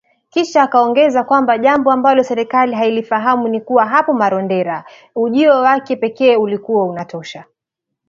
Kisha akaongeza kwamba jambo ambalo serikali hailifahamu ni kuwa hapo Marondera, ujio wake pekee ulikuwa unatosha